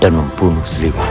dan membunuh selimut